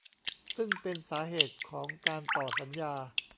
ซึ่งเป็นสาเหตุของการต่อสัญญา